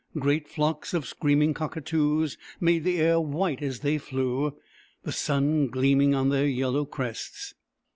Great flocks of screaming cocka toos made the air white, as they flew, the sun gleaming on their yellow crests.